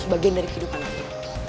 sebagian dari kehidupan aku